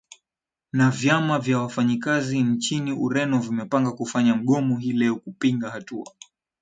na vyama vya wafanyakazi nchini ureno vimepanga kufanya mgomo hii leo kupinga hatua